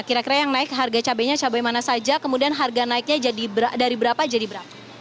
kira kira yang naik harga cabainya cabai mana saja kemudian harga naiknya dari berapa jadi berapa